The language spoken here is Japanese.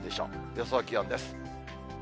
予想気温です。